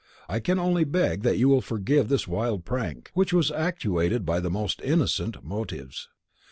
I can only beg that you will forgive this wild prank, which was actuated by the most innocent motives."